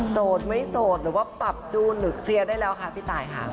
โสดไม่โสดหรือว่าปรับจูนหรือเคลียร์ได้แล้วค่ะพี่ตายค่ะ